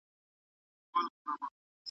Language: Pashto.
چي له غمه مي زړګی قلم قلم دی .